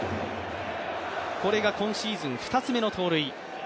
これが今シーズン２つめの盗塁。